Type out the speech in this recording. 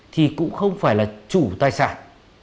thì cũng không phải là chủ tài sản